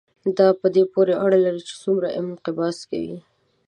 دا په دې پورې اړه لري چې څومره انقباض کوي.